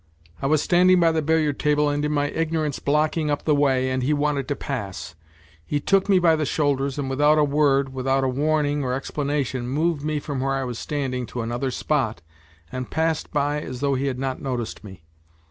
I was standing by the billiard table and in my ignorance blocking up the way, and he wanted to pass ; he took me by the shoulders and without a word without a warning or explana tion moved me from where I was standing to another spot and passed by as though he had not noticed me.